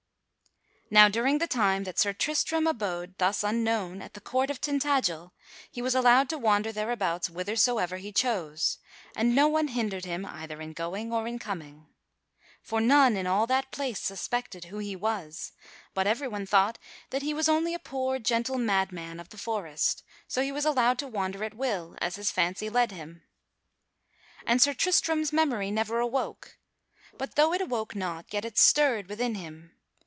_ Now during the time that Sir Tristram abode thus unknown at the court of Tintagel, he was allowed to wander thereabouts whithersoever he chose, and no one hindered him either in going or in coming. For none in all that place suspected who he was, but everyone thought that he was only a poor gentle madman of the forest; so he was allowed to wander at will as his fancy led him. [Sidenote: How Sir Tristram dwelt at Tintagel] And Sir Tristram's memory never awoke; but though it awoke not, yet it stirred within him.